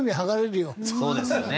そうですよね。